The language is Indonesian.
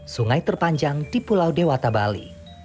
sungai terpanjang di pulau dewata bali